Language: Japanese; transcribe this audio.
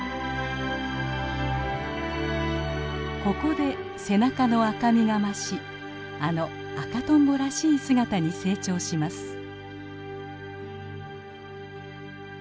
ここで背中の赤みが増しあの赤とんぼらしい姿に成長します。